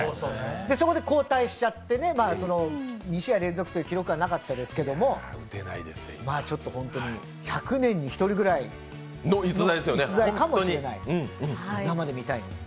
そこで交代しちゃって、２試合連続っていう記録はなかったですけれども、１００年に１人くらいの逸材かもしれない、生で見たいです。